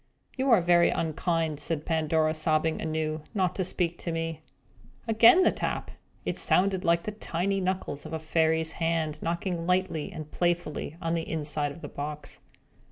"You are very unkind," said Pandora, sobbing anew, "not to speak to me!" Again the tap! It sounded like the tiny knuckles of a fairy's hand, knocking lightly and playfully on the inside of the box.